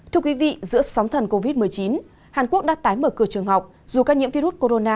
thưa quý vị giữa sóng thần covid một mươi chín hàn quốc đã tái mở cửa trường học dù ca nhiễm virus corona